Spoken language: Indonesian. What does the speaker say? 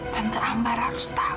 tante ambar harus tahu